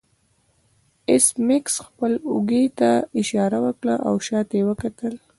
ایس میکس خپل اوږې ته اشاره وکړه او شاته یې وکتل